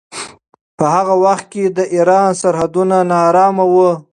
په هغه وخت کې د ایران سرحدونه ناارامه وو.